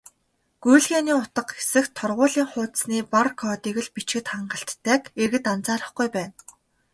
"Гүйлгээний утга" хэсэгт торгуулийн хуудасны бар кодыг л бичихэд хангалттайг иргэд анзаарахгүй байна.